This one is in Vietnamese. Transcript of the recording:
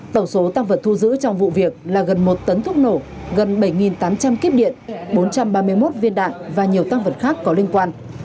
tổng số tăng vật thu giữ trong vụ việc là gần một tấn thuốc nổ gần bảy tám trăm linh kíp điện bốn trăm ba mươi một viên đạn và nhiều tăng vật khác có liên quan